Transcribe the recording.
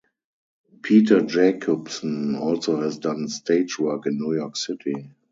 Peter Jacobson also has done stage work in New York City.